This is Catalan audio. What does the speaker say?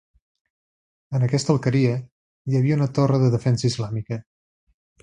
En aquesta alqueria hi havia una torre de defensa islàmica.